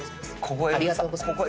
ありがとうございます。